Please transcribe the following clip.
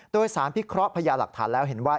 โดยสารพิเคราะห์พญาหลักฐานแล้วเห็นว่า